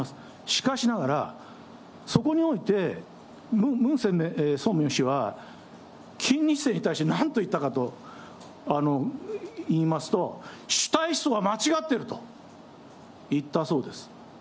しかしながら、そこにおいてムン・ソンミョン氏は、金日成に対してなんと言ったかと言いますと、主体思想は間違っていると言ったそうです。